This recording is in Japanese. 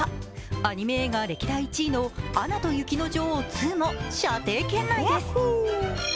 アニメ映画歴代１位の「アナと雪の女王２」も射程圏内です。